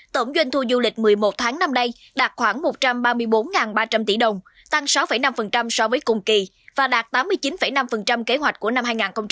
tổng doanh thu du lịch một mươi một tháng năm nay đạt khoảng một trăm ba mươi bốn ba trăm linh tỷ đồng tăng sáu năm so với cùng kỳ và đạt tám mươi chín năm kế hoạch của năm hai nghìn một mươi chín